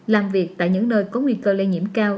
làm việc tại những nơi có nguy cơ lây nhiễm cao